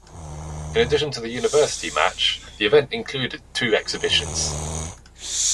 In addition to the university match the event included two exhibitions.